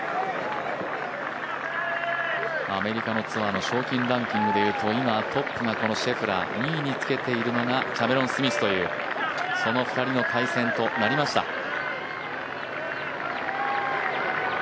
アメリカのツアーの賞金ランキングでいうと、トップがシェフラー２位につけているのがキャメロン・スミスというその２人の対戦となりました。